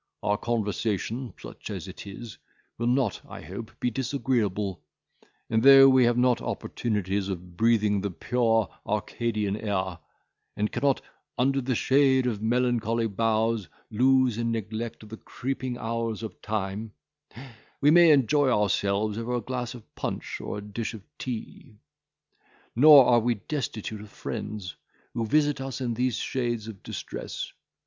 Our conversation, such as it is, will not, I hope, be disagreeable; and though we have not opportunities of breathing the pure Arcadian air, and cannot, 'under the shade of melancholy boughs, lose and neglect the creeping hours of time,' we may enjoy ourselves over a glass of punch or a dish of tea. Nor are we destitute of friends, who visit us in these shades of distress.